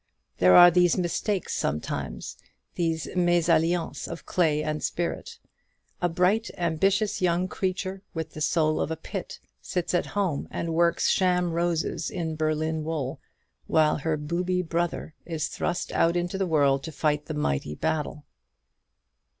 There are these mistakes sometimes these mesalliances of clay and spirit. A bright ambitious young creature, with the soul of a Pitt, sits at home and works sham roses in Berlin wool; while her booby brother is thrust out into the world to fight the mighty battle.